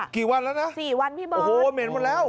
กี่วันแล้วนะโอ้โหเมนหมดแล้ว